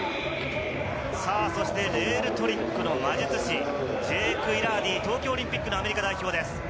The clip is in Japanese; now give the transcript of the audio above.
そしてレールトリックの魔術師、ジェーク・イラーディ、東京オリンピックのアメリカ代表です。